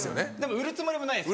売るつもりもないんです